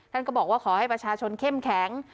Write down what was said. ท่านก็บอกว่าขอให้ประชาชนเข้มแข็ง